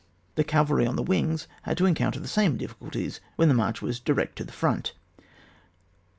The cavalry on the wings had to en counter the same difficulties when the march was direct to the front.